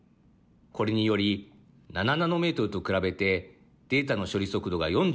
これにより７ナノメートルと比べてデータの処理速度が４５％